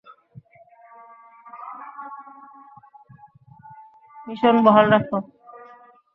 Mission বহাল রাখ!